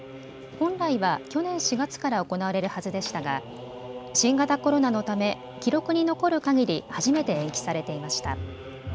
本来は去年４月から行われるはずでしたが新型コロナのため記録に残るかぎり初めて延期されていました。